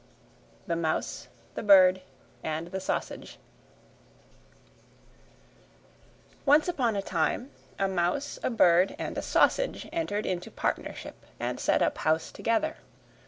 THE MOUSE, THE BIRD, AND THE SAUSAGE Once upon a time, a mouse, a bird, and a sausage, entered into partnership and set up house together.